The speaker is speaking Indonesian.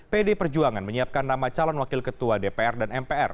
pd perjuangan menyiapkan nama calon wakil ketua dpr dan mpr